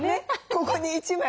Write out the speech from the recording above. ここに１枚。